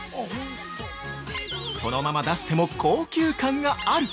そのまま出しても高級感がある！